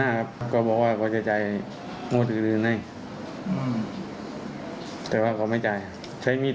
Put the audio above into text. ตัดตั้งอย่างไรว่าชีวิตเรามีประหลาบคืออย่างไร